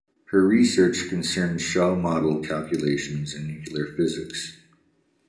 Her research concerned shell model calculations in nuclear physics.